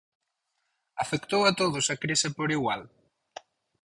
¿Afectou a todos a crise por igual?